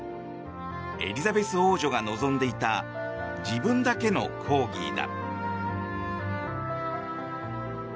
エリザベス王女が望んでいた自分だけのコーギーだ。